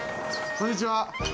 こんにちは。